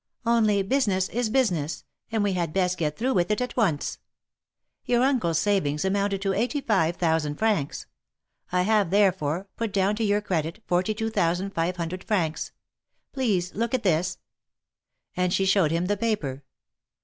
Only business is business, and we had best get through with it at once. Your uncle's savings amounted to eighty five thousand francs. I have, therefore, put down to your credit forty two thousand five hundred francs. Please look at this." And she showed him the paper.